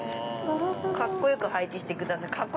かっこよく配置してください。